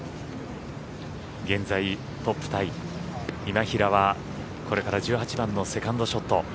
現在、トップタイ今平はこれから１８番のセカンドショット。